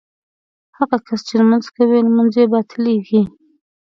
هغه کس چې لمونځ کوي لمونځ یې باطلېږي.